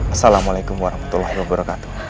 assalamualaikum warahmatullahi wabarakatuh